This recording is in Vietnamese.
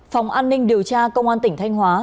phòng an ninh điều tra công an tỉnh thanh hóa